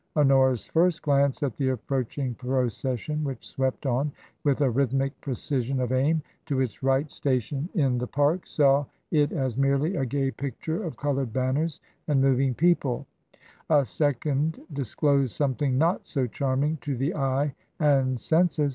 Honora's first glance at the approaching procession, which swept on with a rhythmic precision of aim to its right station in the m 178 TRANSITION. Park, saw it as merely a gay picture of coloured banners and moving people ; a second disclosed something not so charming to the eye and senses.